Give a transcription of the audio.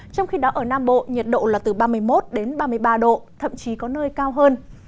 trong khi đó ở nam bộ nhiệt độ là từ ba mươi một đến ba mươi ba độ thậm chí có nơi cao hơn